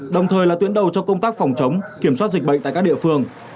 đồng thời là tuyến đầu cho công tác phòng chống kiểm soát dịch bệnh tại các địa phương